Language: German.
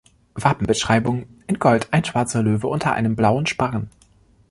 Wappenbeschreibung: In Gold ein schwarzer Löwe unter einem blauen Sparren.